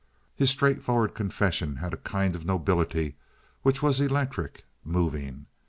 His straightforward confession had a kind of nobility which was electric, moving.